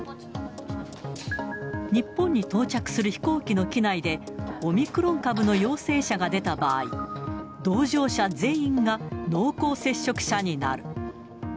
日本に到着する飛行機の機内で、オミクロン株の陽性者が出た場合、同乗者全員が、濃厚接触者になる。